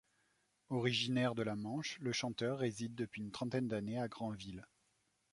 Originaire de la Manche, le chanteur réside depuis une trentaine d'années à Granville.